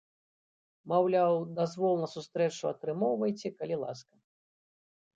Маўляў, дазвол на сустрэчу атрымоўвайце, калі ласка.